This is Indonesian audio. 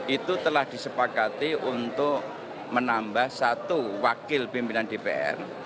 itu telah disepakati untuk menambah satu wakil pimpinan dpr